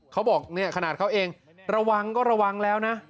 เขาบอกเนี่ยขนาดเขาเองระวังก็ระวังแล้วนะ